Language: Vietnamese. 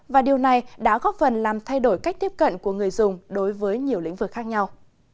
và điều này đã góp phần làm thay đổi cách tiếp cận của người dùng đối với nhiều lĩnh vực khác nhau